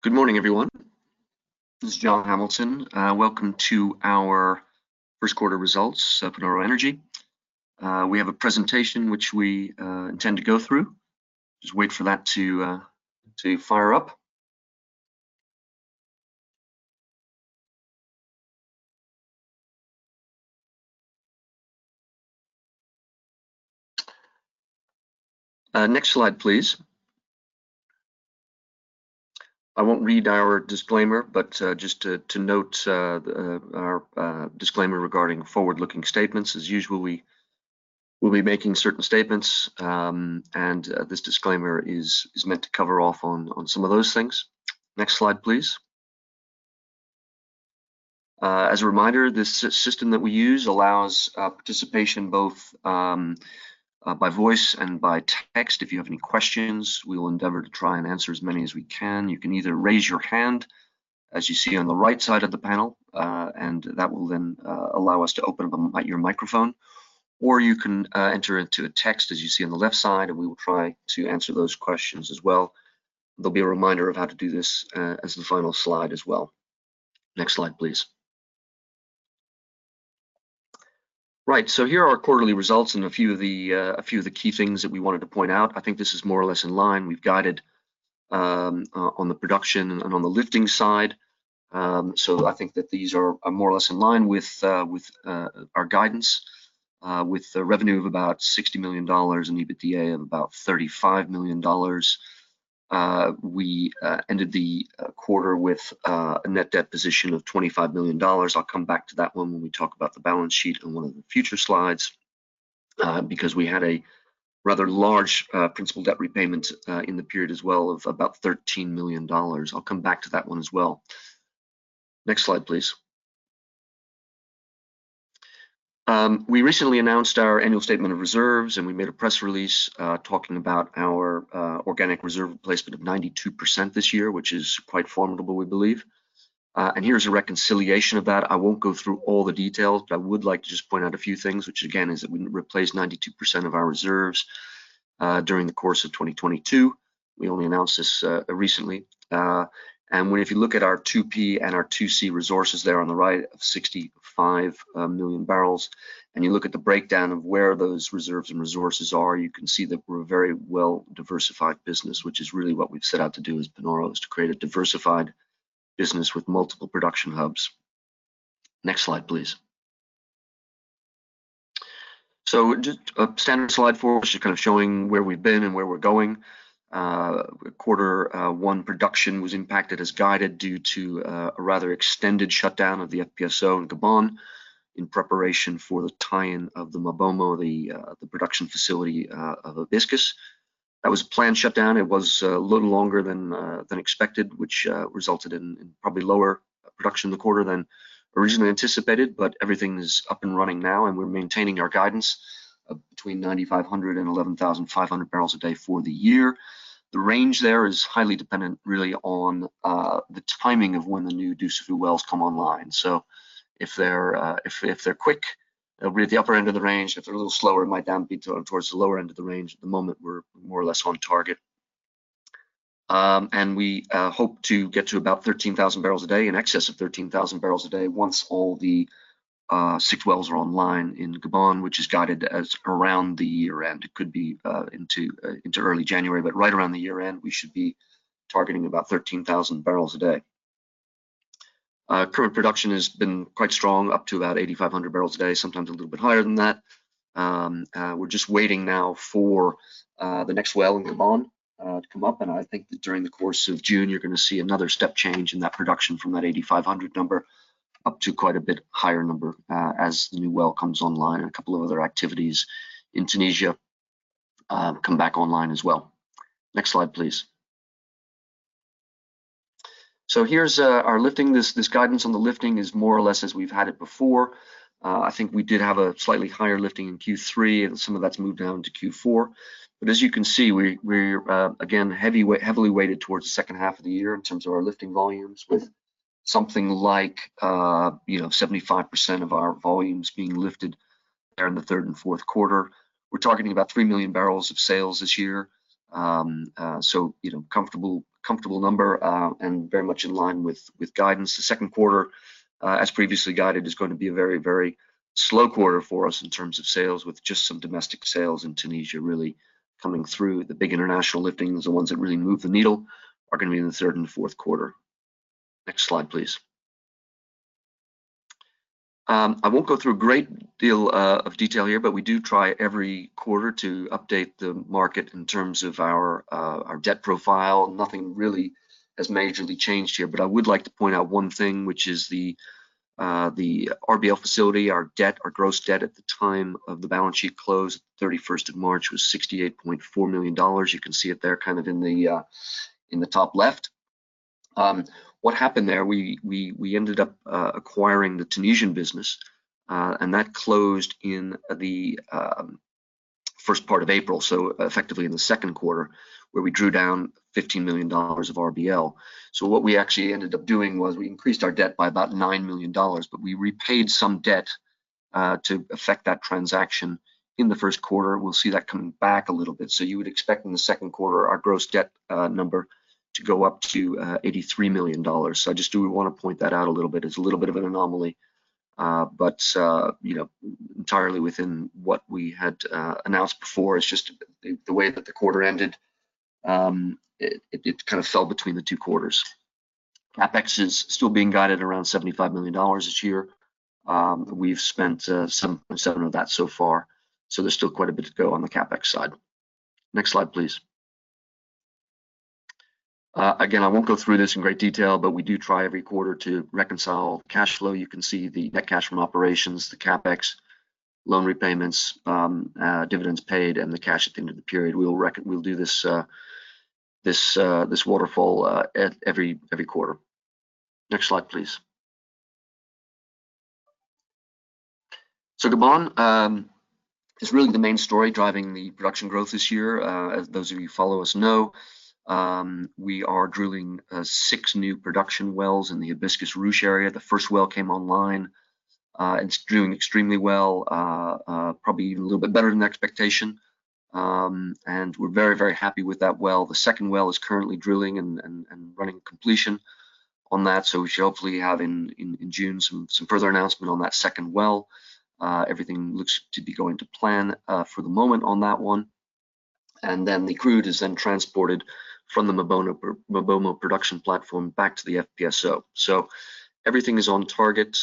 Good morning, everyone. This is John Hamilton. Welcome to our first quarter results at Panoro Energy. We have a presentation which we intend to go through. Just wait for that to fire up. Next slide, please. I won't read our disclaimer, but just to note our disclaimer regarding forward-looking statements. As usual, we will be making certain statements, and this disclaimer is meant to cover off on some of those things. Next slide, please. As a reminder, this system that we use allows participation both by voice and by text. If you have any questions, we will endeavor to try and answer as many as we can. You can either raise your hand, as you see on the right side of the panel, that will then allow us to open up your microphone, or you can enter it into a text, as you see on the left side, We will try to answer those questions as well. There'll be a reminder of how to do this as the final slide as well. Next slide, please. Right. Here are our quarterly results and a few of the key things that we wanted to point out. I think this is more or less in line. We've guided on the production and on the lifting side. I think that these are more or less in line with our guidance, with the revenue of about $60 million and EBITDA of about $35 million. We ended the quarter with a net debt position of $25 million. I'll come back to that one when we talk about the balance sheet in one of the future slides, because we had a rather large principal debt repayment in the period as well of about $13 million. I'll come back to that one as well. Next slide, please. We recently announced our annual statement of reserves, and we made a press release talking about our organic reserve replacement of 92% this year, which is quite formidable, we believe. And here's a reconciliation of that. I won't go through all the details, but I would like to just point out a few things, which again is that we replaced 92% of our reserves during the course of 2022. We only announced this recently. If you look at our 2P and our 2C resources there on the right of 65 million barrels, and you look at the breakdown of where those reserves and resources are, you can see that we're a very well-diversified business, which is really what we've set out to do as Panoro, is to create a diversified business with multiple production hubs. Next slide, please. Just a standard slide for us, just kind of showing where we've been and where we're going. Quarter one production was impacted as guided due to a rather extended shutdown of the FPSO in Gabon in preparation for the tie-in of the MaBoMo, the production facility of Hibiscus. That was a planned shutdown. It was a little longer than expected, which resulted in probably lower production in the quarter than originally anticipated. Everything is up and running now, and we're maintaining our guidance of between 9,500 and 11,500 barrels a day for the year. The range there is highly dependent really on the timing of when the new Dussafu wells come online. If they're quick, it'll be at the upper end of the range. If they're a little slower, it might then be towards the lower end of the range. At the moment, we're more or less on target. We hope to get to about 13,000 barrels a day, in excess of 13,000 barrels a day, once all the six wells are online in Gabon, which is guided as around the year-end. It could be into early January, but right around the year-end, we should be targeting about 13,000 barrels a day. Current production has been quite strong, up to about 8,500 barrels a day, sometimes a little bit higher than that. We're just waiting now for the next well in Gabon to come up, and I think that during the course of June you're gonna see another step change in that production from that 8,500 number up to quite a bit higher number, as the new well comes online. A couple of other activities in Tunisia come back online as well. Next slide, please. Here's our lifting. This guidance on the lifting is more or less as we've had it before. I think we did have a slightly higher lifting in Q3, and some of that's moved down to Q4. As you can see, we're again heavily weighted towards the second half of the year in terms of our lifting volumes with something like, you know, 75% of our volumes being lifted there in the third and fourth quarter. We're targeting about 3 million barrels of sales this year. You know, comfortable number and very much in line with guidance. The second quarter, as previously guided, is gonna be a very, very slow quarter for us in terms of sales with just some domestic sales in Tunisia really coming through. The big international liftings, the ones that really move the needle, are gonna be in the third and fourth quarter. Next slide, please. I won't go through a great deal of detail here, but we do try every quarter to update the market in terms of our debt profile. Nothing really has majorly changed here, but I would like to point out one thing, which is the RBL facility. Our debt, our gross debt at the time of the balance sheet close, 31st of March, was $68.4 million. You can see it there kind of in the in the top left. What happened there, we ended up acquiring the Tunisian business, and that closed in the first part of April, effectively in the second quarter, where we drew down $15 million of RBL. What we actually ended up doing was we increased our debt by about $9 million, but we repaid some debt to affect that transaction in the first quarter, we'll see that coming back a little bit. You would expect in the second quarter our gross debt number to go up to $83 million. I just do wanna point that out a little bit. It's a little bit of an anomaly, but, you know, entirely within what we had announced before. It's just the way that the quarter ended, it kind of fell between the two quarters. CapEx is still being guided around $75 million this year. We've spent seven of that so far, so there's still quite a bit to go on the CapEx side. Next slide, please. Again, I won't go through this in great detail, but we do try every quarter to reconcile cash flow. You can see the net cash from operations, the CapEx, loan repayments, dividends paid, and the cash at the end of the period. We'll do this waterfall at every quarter. Next slide, please. Gabon is really the main story driving the production growth this year. As those of you who follow us know, we are drilling six new production wells in the Hibiscus-Ruche area. The first well came online, and it's doing extremely well, probably even a little bit better than expectation. We're very, very happy with that well. The second well is currently drilling and running completion on that. We should hopefully have in June some further announcement on that second well. Everything looks to be going to plan for the moment on that one. The crude is then transported from the MaBoMo production platform back to the FPSO. Everything is on target.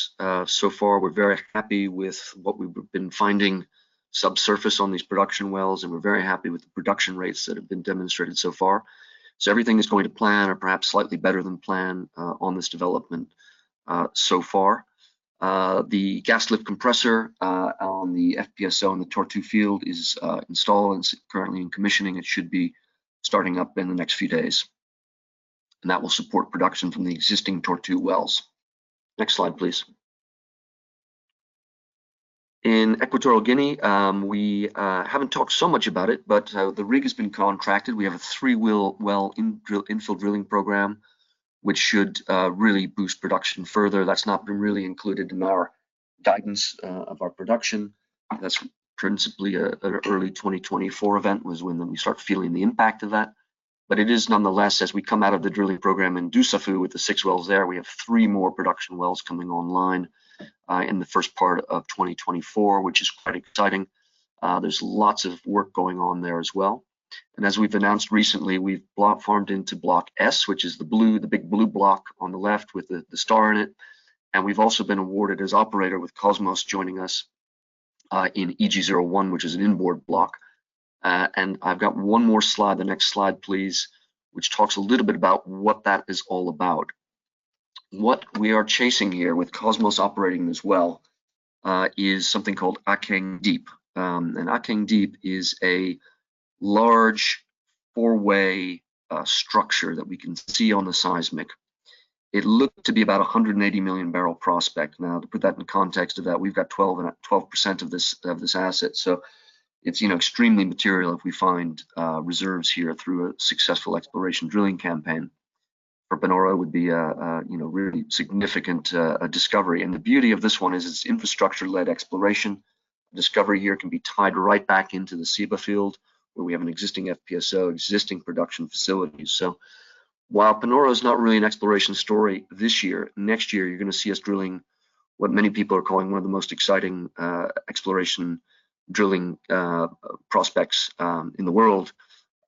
So far we're very happy with what we've been finding subsurface on these production wells, and we're very happy with the production rates that have been demonstrated so far. Everything is going to plan or perhaps slightly better than plan on this development so far. The gas lift compressor on the FPSO in the Tortue field is installed and is currently in commissioning. It should be starting up in the next few days, and that will support production from the existing Tortue wells. Next slide, please. In Equatorial Guinea, we haven't talked so much about it, but the rig has been contracted. We have a three-well infill drilling program, which should really boost production further. That's not been really included in our guidance of our production. That's principally an early 2024 event, was when we start feeling the impact of that. It is nonetheless as we come out of the drilling program in Dussafu with the six wells there, we have three more production wells coming online in the first part of 2024, which is quite exciting. There's lots of work going on there as well. As we've announced recently, we've farmed into Block S, which is the blue, the big blue block on the left with the star in it. We've also been awarded as operator with Kosmos joining us in EG-01, which is an inboard block. I've got one more slide, the next slide, please, which talks a little bit about what that is all about. What we are chasing here with Kosmos operating this well is something called Akeng Deep. Akeng Deep is a large four-way structure that we can see on the seismic. It looked to be about a 180 million barrel prospect. Now, to put that in the context of that, we've got 12% of this asset. It's, you know, extremely material if we find reserves here through a successful exploration drilling campaign. For Panoro it would be, you know, a really significant discovery. The beauty of this one is it's infrastructure-led exploration. Discovery here can be tied right back into the Ceiba field where we have an existing FPSO, existing production facilities. While Panoro is not really an exploration story this year, next year you're gonna see us drilling what many people are calling one of the most exciting exploration drilling prospects in the world.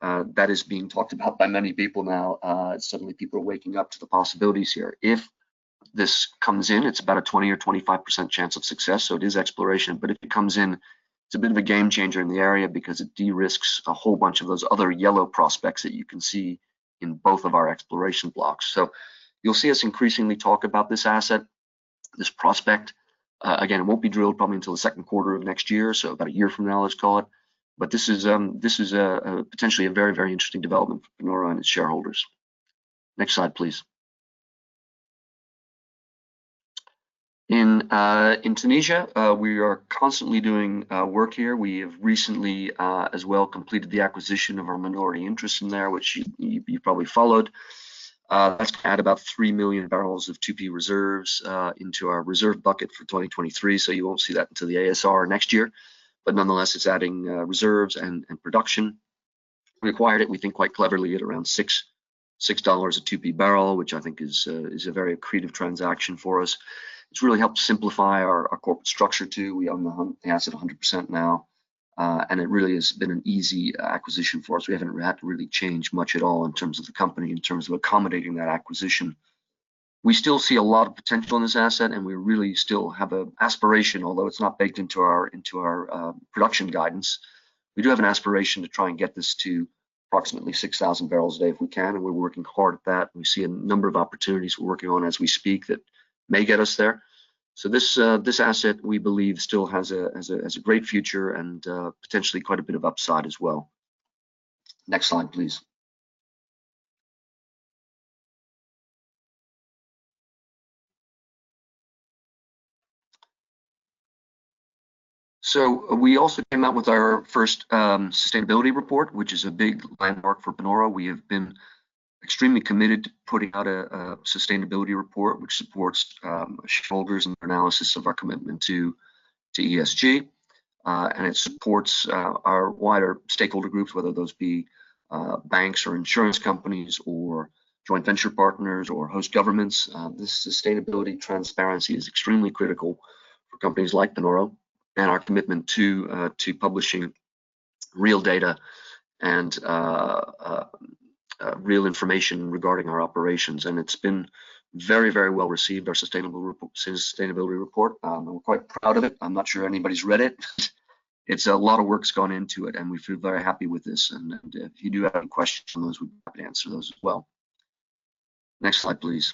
That is being talked about by many people now. Suddenly people are waking up to the possibilities here. If this comes in, it's about a 20% or 25% chance of success, so it is exploration. If it comes in, it's a bit of a game changer in the area because it de-risks a whole bunch of those other yellow prospects that you can see in both of our exploration blocks. You'll see us increasingly talk about this asset, this prospect. Again, it won't be drilled probably until the second quarter of next year, so about a year from now, let's call it. This is a, potentially a very, very interesting development for Panoro and its shareholders. Next slide, please. In Tunisia, we are constantly doing work here. We have recently, as well completed the acquisition of our minority interest in there, which you probably followed. That's gonna add about 3 million barrels of 2P reserves into our reserve bucket for 2023, so you won't see that until the ASR next year. Nonetheless, it's adding reserves and production. We acquired it, we think, quite cleverly at around $6 a 2P barrel, which I think is a very accretive transaction for us. It's really helped simplify our corporate structure too. We own the asset 100% now, and it really has been an easy acquisition for us. We haven't had to really change much at all in terms of the company, in terms of accommodating that acquisition. We still see a lot of potential in this asset, and we really still have a aspiration, although it's not baked into our production guidance. We do have an aspiration to try and get this to approximately 6,000 barrels a day if we can. We're working hard at that. We see a number of opportunities we're working on as we speak that may get us there. This asset, we believe, still has a great future and potentially quite a bit of upside as well. Next slide, please. We also came out with our first sustainability report, which is a big landmark for Panoro. We have been extremely committed to putting out a sustainability report which supports shareholders in their analysis of our commitment to ESG. It supports our wider stakeholder groups, whether those be banks or insurance companies or joint venture partners or host governments. This sustainability transparency is extremely critical for companies like Panoro and our commitment to publishing real data and real information regarding our operations. It's been very, very well received, our sustainability report. We're quite proud of it. I'm not sure anybody's read it. It's. A lot of work's gone into it, we feel very happy with this. If you do have any questions on those, we'd be happy to answer those as well. Next slide, please.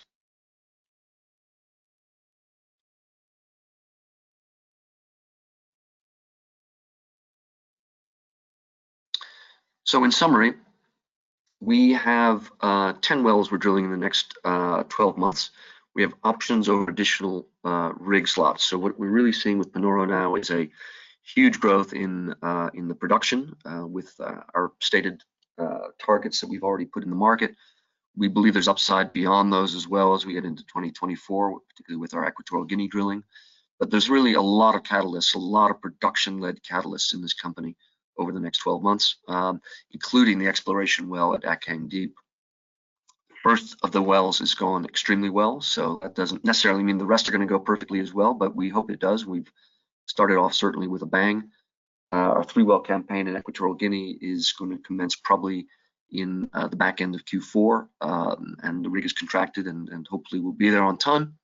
In summary, we have 10 wells we're drilling in the next 12 months. We have options over additional rig slots. What we're really seeing with Panoro now is a huge growth in the production with our stated targets that we've already put in the market. We believe there's upside beyond those as well as we get into 2024, particularly with our Equatorial Guinea drilling. There's really a lot of catalysts, a lot of production-led catalysts in this company over the next 12 months, including the exploration well at Akeng Deep. The first of the wells has gone extremely well, so that doesn't necessarily mean the rest are gonna go perfectly as well. We hope it does. We've started off certainly with a bang. Our three-well campaign in Equatorial Guinea is gonna commence probably in the back end of Q4. The rig is contracted, and hopefully will be there on time.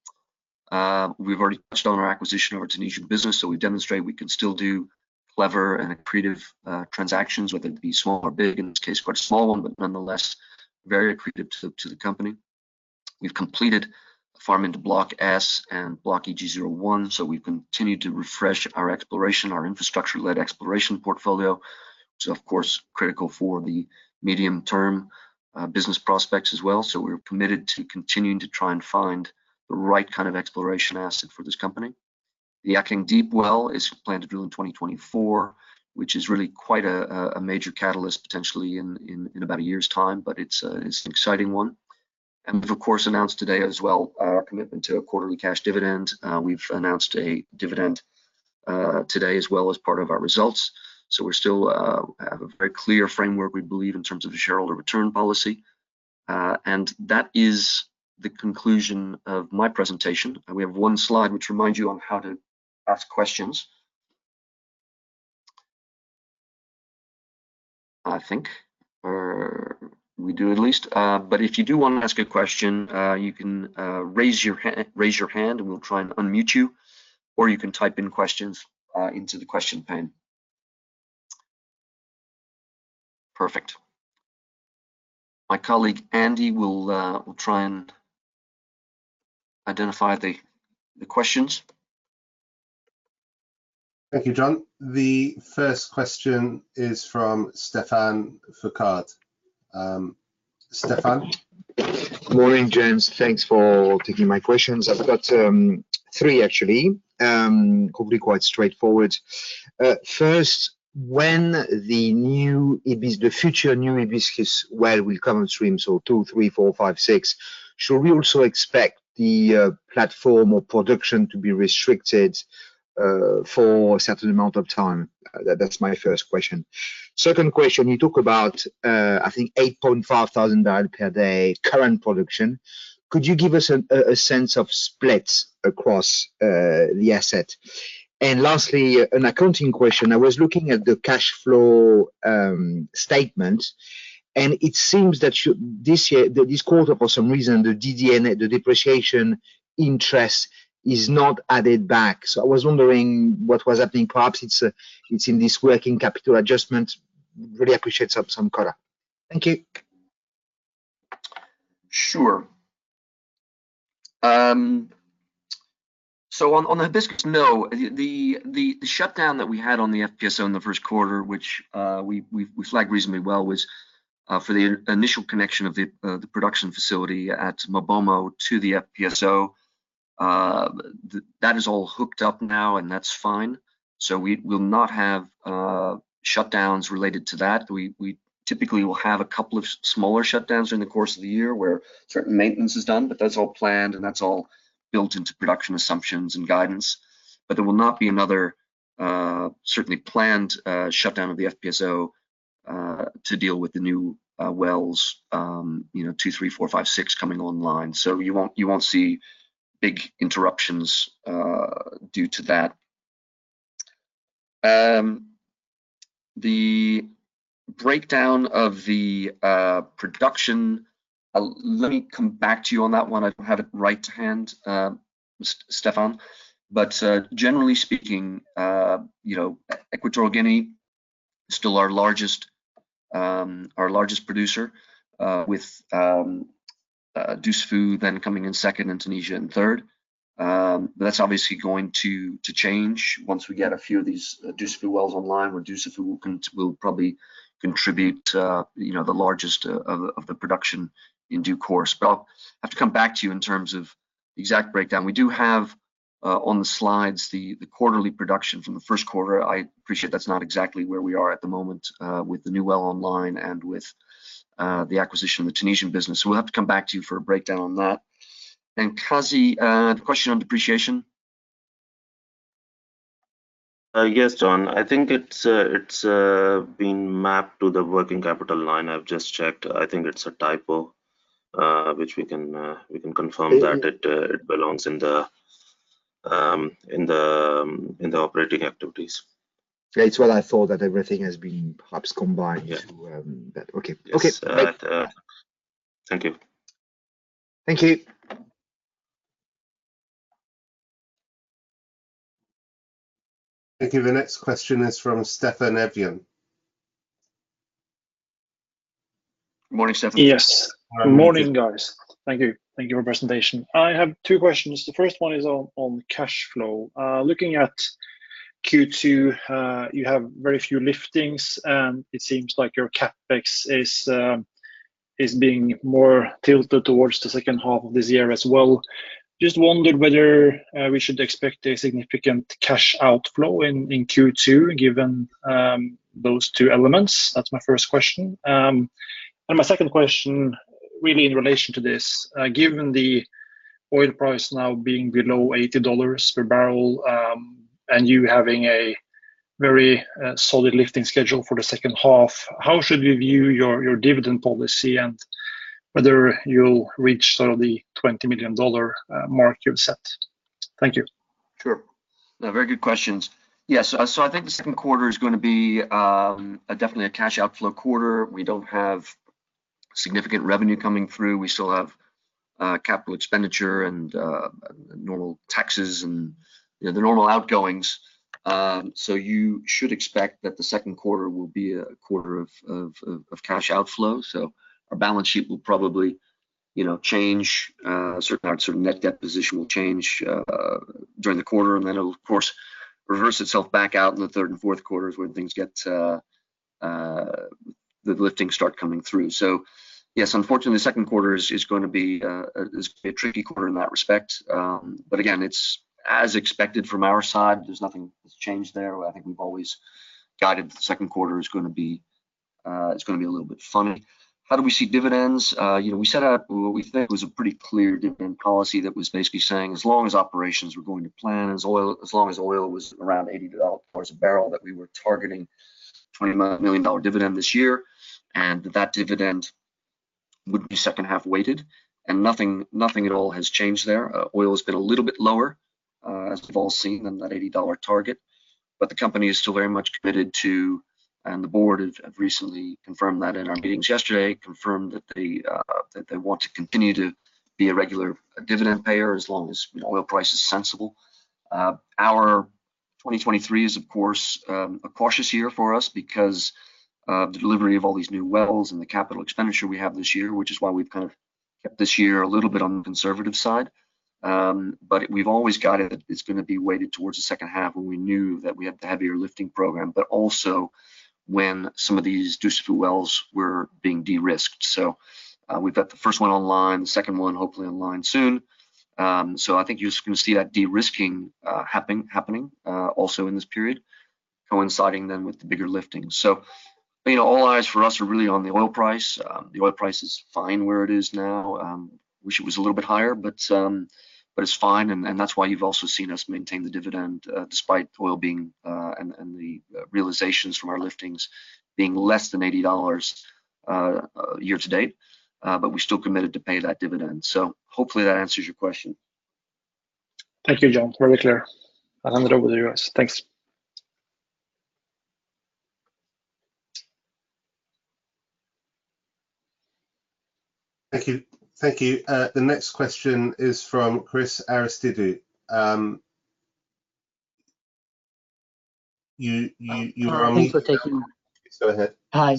We've already touched on our acquisition of our Tunisian business, so we've demonstrated we can still do clever and accretive transactions, whether it be small or big. In this case, quite a small one, but nonetheless very accretive to the company. We've completed the farm into Block S and Block EG-01. We've continued to refresh our exploration, our infrastructure-led exploration portfolio, which is of course critical for the medium-term business prospects as well. We're committed to continuing to try and find the right kind of exploration asset for this company. The Akeng Deep well is planned to drill in 2024, which is really quite a major catalyst potentially in about a year's time, but it's an exciting one. We've of course announced today as well our commitment to a quarterly cash dividend. We've announced a dividend today as well as part of our results. We still have a very clear framework, we believe, in terms of the shareholder return policy. That is the conclusion of my presentation. We have one slide which reminds you on how to ask questions. I think, or we do at least. If you do want to ask a question, you can raise your hand and we'll try and unmute you, or you can type in questions into the question pane. Perfect. My colleague Andy will try and identify the questions. Thank you, John. The first question is from Stephane Foucaud. Stephane? Morning, John. Thanks for taking my questions. I've got three actually, hopefully quite straightforward. First, when the future new Hibiscus well will come on stream, so two, three, four, five, six, should we also expect the platform or production to be restricted for a certain amount of time? That's my first question. Second question, you talk about, I think 8.5 thousand barrel per day current production. Could you give us a sense of splits across the asset? Lastly, an accounting question. I was looking at the cash flow statement, it seems that this quarter, for some reason, the DD&A, the depreciation interest is not added back. I was wondering what was happening. Perhaps it's in this working capital adjustment. Really appreciate some color. Thank you. Sure. So on Hibiscus, no. The shutdown that we had on the FPSO in the first quarter, which we flagged reasonably well, was for the initial connection of the production facility at MaBoMo to the FPSO. That is all hooked up now, and that's fine, so we will not have shutdowns related to that. We typically will have a couple of smaller shutdowns during the course of the year where certain maintenance is done, but that's all planned, and that's all built into production assumptions and guidance. There will not be another, certainly planned, shutdown of the FPSO, to deal with the new wells, you know, two, three, four, five, six coming online. You won't see big interruptions due to that. The breakdown of the production, let me come back to you on that one. I don't have it right to hand, Stephane. Generally speaking, you know, Equatorial Guinea is still our largest, our largest producer, with Dussafu then coming in second and Tunisia in third. That's obviously going to change once we get a few of these Dussafu wells online, where Dussafu will probably contribute, you know, the largest of the production in due course. I'll have to come back to you in terms of exact breakdown. We do have on the slides the quarterly production from the first quarter. I appreciate that's not exactly where we are at the moment, with the new well online and with the acquisition of the Tunisian business. We'll have to come back to you for a breakdown on that. Qazi, the question on depreciation? Yes, John. I think it's been mapped to the working capital line. I've just checked. I think it's a typo, which we can, we can confirm that it belongs in the operating activities. Yeah, it's what I thought, that everything has been perhaps combined- Yeah... to that. Okay. Yes. Okay. Thank you. Thank you. Thank you. The next question is from Steffen Evjen. Morning, Steffen. Yes. Good morning, guys. Thank you. Thank you for your presentation. I have two questions. The first one is on cash flow. Looking at Q2, you have very few liftings, and it seems like your CapEx is being more tilted towards the second half of this year as well. Just wondered whether we should expect a significant cash outflow in Q2 given those two elements. That's my first question. And my second question really in relation to this, given the oil price now being below $80 per barrel, and you having a very solid lifting schedule for the second half, how should we view your dividend policy and whether you'll reach sort of the $20 million mark you've set? Thank you. Sure. No, very good questions. Yes, I think the second quarter is gonna be, definitely a cash outflow quarter. We don't have significant revenue coming through. We still have capital expenditure and normal taxes and, you know, the normal outgoings. You should expect that the second quarter will be a quarter of cash outflow. Our balance sheet will probably, you know, change. A certain amount, a certain net debt position will change during the quarter, and then it'll of course reverse itself back out in the third and fourth quarters when things get... the liftings start coming through. Yes, unfortunately, the second quarter is gonna be a tricky quarter in that respect. Again, it's as expected from our side. There's nothing that's changed there. I think we've always guided that the second quarter is gonna be a little bit funny. How do we see dividends? You know, we set out what we think was a pretty clear dividend policy that was basically saying as long as operations were going to plan, as long as oil was around $80 a barrel, that we were targeting 20 million dollar dividend this year, and that dividend would be second half weighted. Nothing at all has changed there. Oil has been a little bit lower, as we've all seen than that $80 target, but the company is still very much committed to, and the board have recently confirmed that in our meetings yesterday, confirmed that they want to continue to be a regular dividend payer as long as oil price is sensible. Our 2023 is of course a cautious year for us because of the delivery of all these new wells and the CapEx we have this year, which is why we've kind of kept this year a little bit on the conservative side. We've always guided it's gonna be weighted towards the second half when we knew that we had the heavier lifting program, but also when some of these Dussafu wells were being de-risked. We've got the first one online, the second one hopefully online soon. I think you're just gonna see that de-risking happening also in this period, coinciding then with the bigger lifting. You know, all eyes for us are really on the oil price. The oil price is fine where it is now. Wish it was a little bit higher, but it's fine and that's why you've also seen us maintain the dividend, despite oil being, and the realizations from our liftings being less than $80, year to date, but we're still committed to pay that dividend. Hopefully that answers your question. Thank you, John. Very clear. I'll hand it over to you guys. Thanks. Thank you. The next question is from Christos Aristidou. You were on mute. Thanks for taking. Please go ahead. Hi.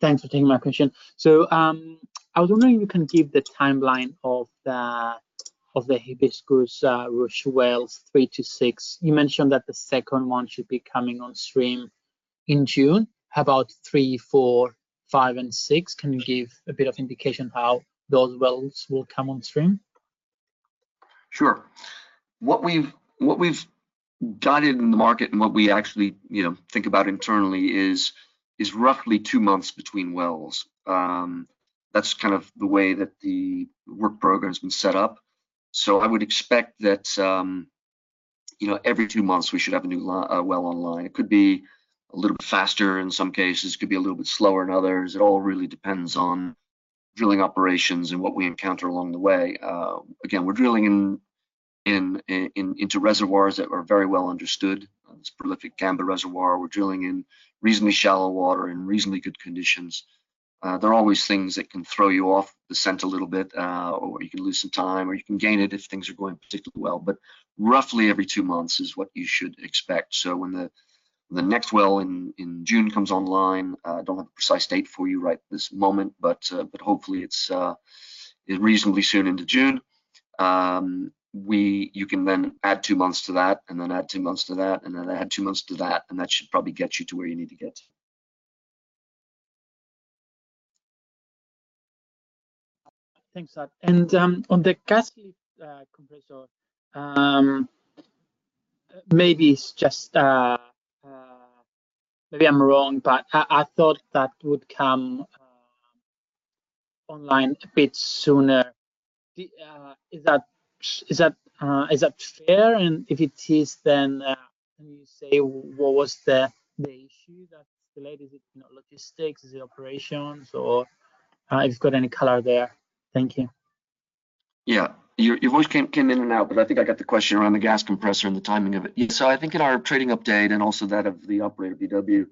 Thanks for taking my question. I was wondering if you can give the timeline of the Hibiscus, Ruche wells three to six. You mentioned that the second one should be coming on stream in June. How about three, four, five, and six? Can you give a bit of indication how those wells will come on stream? Sure. What we've guided in the market and what we actually, you know, think about internally is roughly two months between wells. That's kind of the way that the work program's been set up. I would expect that, you know, every two months we should have a new well online. It could be a little bit faster in some cases, could be a little bit slower in others. It all really depends on drilling operations and what we encounter along the way. Again, we're drilling into reservoirs that are very well understood. It's prolific Gamba Reservoir. We're drilling in reasonably shallow water in reasonably good conditions. There are always things that can throw you off the scent a little bit, or you can lose some time, or you can gain it if things are going particularly well. Roughly every two months is what you should expect. When the, when the next well in June comes online, don't have a precise date for you right this moment, but hopefully it's reasonably soon into June. You can then add two months to that, and then add two months to that, and then add two months to that, and that should probably get you to where you need to get. Thanks, John. On the gas compressor, maybe it's just, maybe I'm wrong, but I thought that would come online a bit sooner. Is that, is that fair? If it is, then, can you say what was the issue that delayed? Is it, you know, logistics? Is it operations? Or if you've got any color there? Thank you. Yeah. Your voice came in and out, but I think I got the question around the gas compressor and the timing of it. I think in our trading update, and also that of the operator, BW,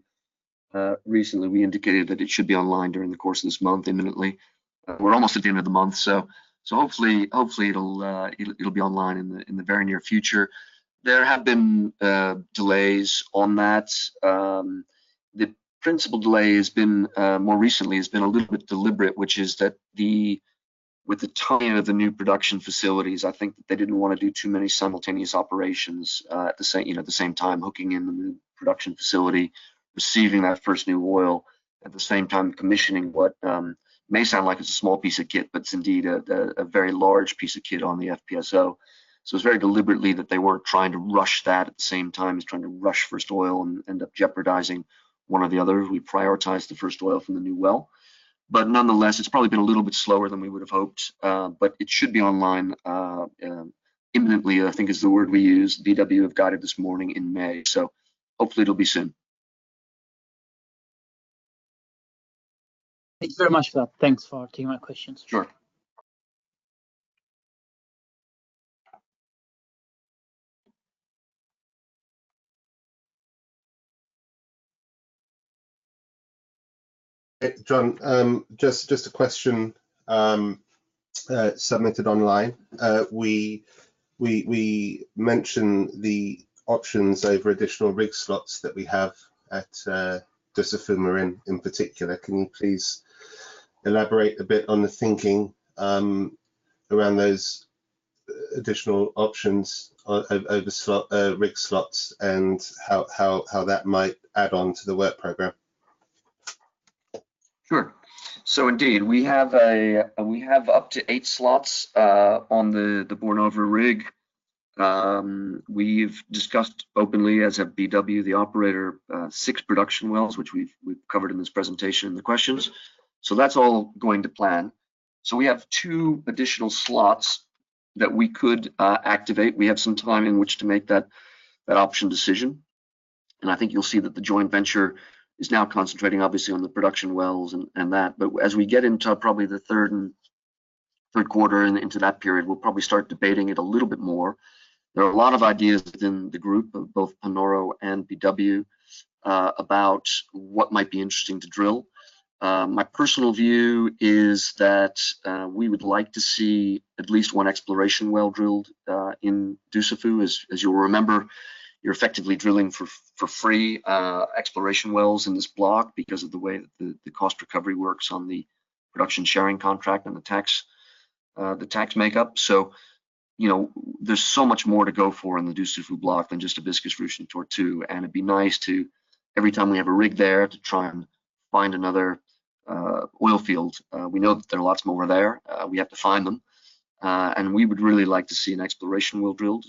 recently, we indicated that it should be online during the course of this month imminently. We're almost at the end of the month, hopefully it'll be online in the very near future. There have been delays on that. The principal delay has been more recently, has been a little bit deliberate, which is that the, with the timing of the new production facilities, I think that they didn't wanna do too many simultaneous operations at the same, you know, at the same time hooking in the new production facility, receiving that first new oil at the same time commissioning what may sound like it's a small piece of kit, but it's indeed a very large piece of kit on the FPSO. It's very deliberately that they weren't trying to rush that at the same time as trying to rush first oil and end up jeopardizing one or the other. We prioritized the first oil from the new well. Nonetheless, it's probably been a little bit slower than we would've hoped. It should be online, imminently, I think is the word we used. BW have got it this morning in May. Hopefully it'll be soon. Thank you very much for that. Thanks for taking my questions. Sure. Hey, John, just a question submitted online. We mention the options over additional rig slots that we have at Dussafu Marin in particular. Can you please elaborate a bit on the thinking around those additional options over slot rig slots, and how that might add on to the work program? Sure. Indeed, we have up to eight slots on the Borr Norve rig. We've discussed openly, as have BW, the operator, six production wells, which we've covered in this presentation and the questions. That's all going to plan. We have two additional slots that we could activate. We have some time in which to make that option decision, and I think you'll see that the joint venture is now concentrating obviously on the production wells and that. As we get into probably the third quarter and into that period, we'll probably start debating it a little bit more. There are a lot of ideas within the group of both Panoro and BW about what might be interesting to drill. My personal view is that we would like to see at least one exploration well drilled in Dussafu. As you'll remember, you're effectively drilling for free exploration wells in this block because of the way that the cost recovery works on the production sharing contract and the tax makeup. You know, there's so much more to go for in the Dussafu block than just Hibiscus, Ruche and Tortue, and it'd be nice to, every time we have a rig there, to try and find another oil field. We know that there are lots more there. We have to find them. We would really like to see an exploration well drilled.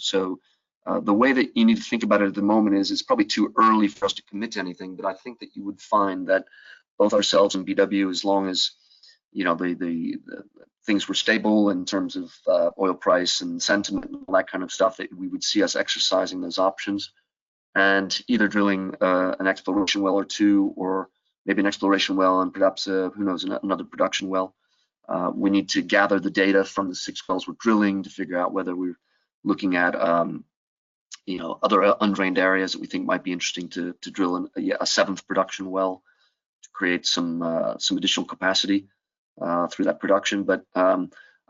The way that you need to think about it at the moment is it's probably too early for us to commit to anything, but I think that you would find that both ourselves and BW, as long as, you know, the, the, things were stable in terms of oil price and sentiment and all that kind of stuff, that we would see us exercising those options and either drilling an exploration well or two, or maybe an exploration well and perhaps a, who knows, another production well. We need to gather the data from the six wells we're drilling to figure out whether we're looking at, you know, other undrained areas that we think might be interesting to drill a seventh production well to create some additional capacity through that production.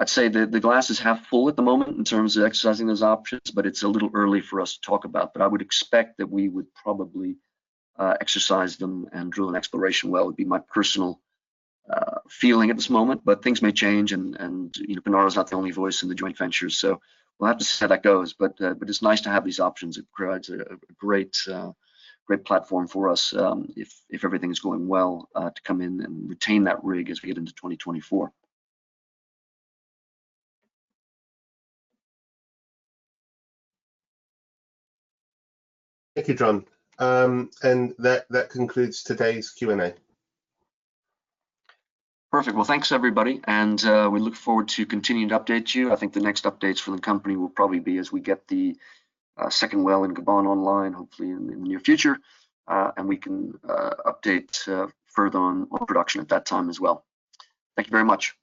I'd say the glass is half full at the moment in terms of exercising those options, but it's a little early for us to talk about. I would expect that we would probably exercise them and drill an exploration well, would be my personal feeling at this moment. Things may change and, you know, Panoro's not the only voice in the joint venture, so we'll have to see how that goes. It's nice to have these options. It provides a great platform for us, if everything is going well, to come in and retain that rig as we get into 2024. Thank you, John. That concludes today's Q&A. Perfect. Well, thanks, everybody, and we look forward to continuing to update you. I think the next updates for the company will probably be as we get the second well in Gabon online, hopefully in the near future. We can update further on oil production at that time as well. Thank you very much.